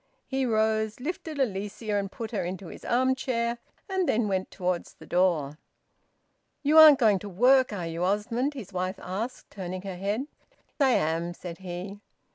He rose, lifted Alicia and put her into his arm chair, and then went towards the door. "You aren't going to work, are you, Osmond?" his wife asked, turning her head. "I am," said he.